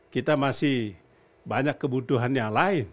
kita masih banyak kebutuhan yang lain